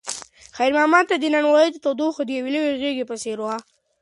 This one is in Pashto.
خیر محمد ته د نانوایۍ تودوخه د یوې لویې غېږې په څېر وه.